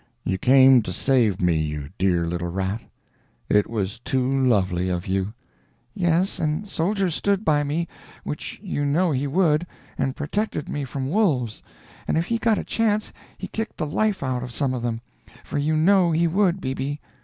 'You came to save me, you dear little rat? It was too lovely of you!' 'Yes, and Soldier stood by me, which you know he would, and protected me from the wolves; and if he got a chance he kicked the life out of some of them—for you know he would, BB.